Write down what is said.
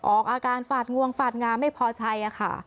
ออกอาการฝาดงวงฝาดงามไม่พอใจค่ะ